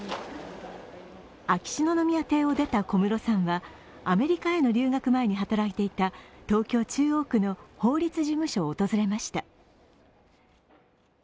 秋篠宮邸を出た小室さんは、アメリカへの留学前に働いていた東京・中央区の法律事務所を訪れました。